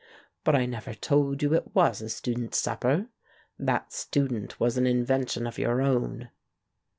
But I never told you it was a student's supper. That student was an inven tion of your own."